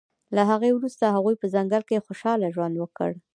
له هغې وروسته هغوی په ځنګل کې خوشحاله ژوند وکړ